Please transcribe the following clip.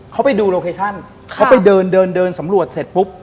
เขาไปดูโลเคชั่นเขาไปเดินเดินสำรวจเสร็จปุ๊บ